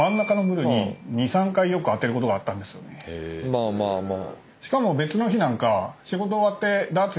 まあまあまあ。